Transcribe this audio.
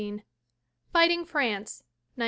Fighting France, 1915.